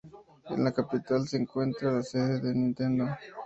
En la capital se encuentra la sede de Nintendo.